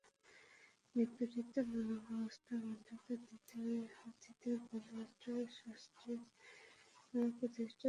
নিপীড়নের নানা ব্যবস্থা বৈধতা দিতে গড়ে ওঠে রাষ্ট্রের নানা প্রতিষ্ঠান, আইনকানুন, সাহিত্য-সংস্কৃতি।